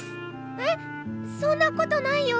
えっそんなことないよ。